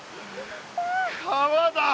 川だ！